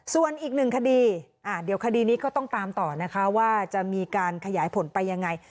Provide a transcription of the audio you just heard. ส่วนอีกหนึ่งคดีเดี๋ยวคดีนี้ก็ต้องตามต่อนะคะว่าจะมีการขยายผลไปยังไง